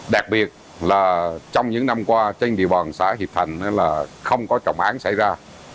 đặc biệt là trong những năm qua trên địa bàn xã hiệp thành là không có trọng án xảy ra